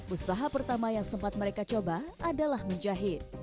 usaha pertama yang sempat mereka coba adalah menjahit